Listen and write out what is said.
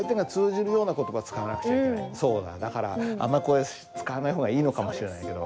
そうだだからあんまりこれ使わない方がいいのかもしれないけど。